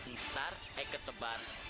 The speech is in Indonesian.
ntar eke tebar